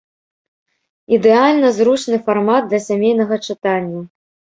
Ідэальна зручны фармат для сямейнага чытання.